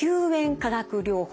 化学療法。